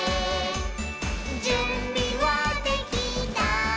「じゅんびはできた？